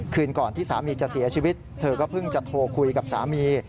คืนก่อนที่สามีจะเสียชีวิตเธอก็เพิ่งจะโทรคุยกับสามี